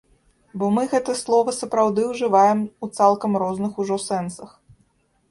Бо мы гэта слова сапраўды ўжываем у цалкам розных ужо сэнсах.